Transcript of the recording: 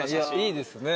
いいですね。